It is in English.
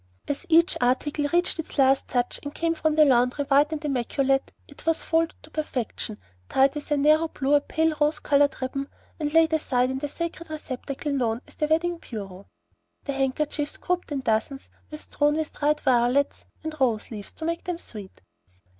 As each article received its last touch, and came from the laundry white and immaculate, it was folded to perfection, tied with a narrow blue or pale rose colored ribbon, and laid aside in a sacred receptacle known as "The Wedding Bureau." The handkerchiefs, grouped in dozens, were strewn with dried violets and rose leaves to make them sweet.